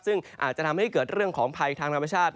ซึ่งอาจจะทำให้เกิดเรื่องของภัยทางธรรมชาติ